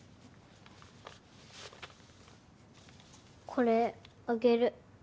これあげる。